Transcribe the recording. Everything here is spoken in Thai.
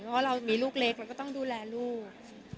เพราะว่าเรามีลูกเล็กเราก็ต้องดูแลลูก